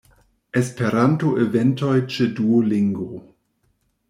Esperanto-eventoj ĉe Duolingo.